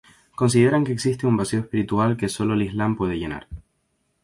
Consideran que existe un vacío espiritual que solo el Islam puede llenar.